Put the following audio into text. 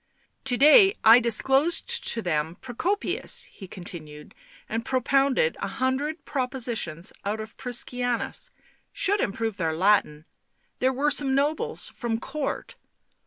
" To day I disclosed to them Procopius," he con tinued, " and propounded a hundred propositions out of Priscianus — should improve their Latin — there were some nobles from the Court.